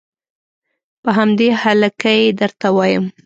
په همدې هلکه یې درته وایم.